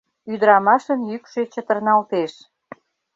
— Ӱдырамашын йӱкшӧ чытырналтеш.